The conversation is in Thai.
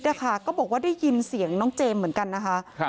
ค่ะก็บอกว่าได้ยินเสียงน้องเจมส์เหมือนกันนะคะ